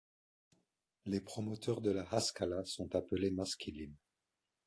Les promoteurs de la Haskala sont appelés maskilim.